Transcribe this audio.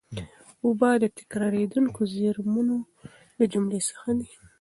اوبه د تکرارېدونکو زېرمونو له جملې څخه دي.